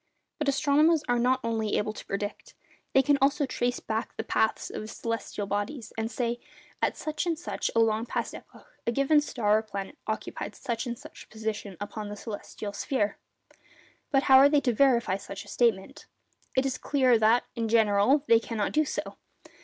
But astronomers are not only able to predict—they can also trace back the paths of the celestial bodies, and say: 'At such and such a long past epoch, a given star or planet occupied such and such a position upon the celestial sphere.' But how are they to verify such a statement? It is clear that, in general, they cannot do so.